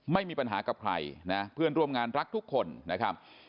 ไม่มีปัญหากับใครนะเพื่อนร่วมงานรักทุกคนนะครับ